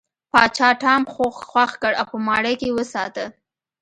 پاچا ټام خوښ کړ او په ماڼۍ کې یې وساته.